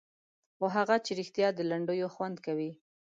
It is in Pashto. خو هغه چې رښتیا د لنډیو خوند کوي.